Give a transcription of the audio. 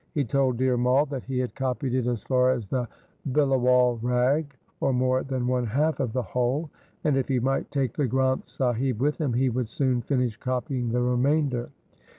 He told Dhir Mai that he had copied it as far as the Bilawal Rag, or more than one half of the whole, and, if he might take the Granth Sahib with him, he would soon finish copying the remainder.